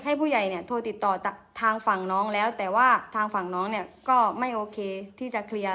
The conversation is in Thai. ผู้ใหญ่เนี่ยโทรติดต่อจากทางฝั่งน้องแล้วแต่ว่าทางฝั่งน้องเนี่ยก็ไม่โอเคที่จะเคลียร์